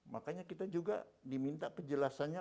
makanya kita juga diminta penjelasannya